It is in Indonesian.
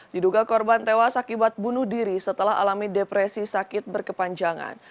diduga korban tewas akibat bunuh diri setelah alami depresi sakit berkepanjangan